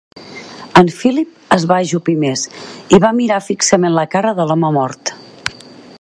En Philip es va ajupir més i va mirar fixament la cara de l'home mort.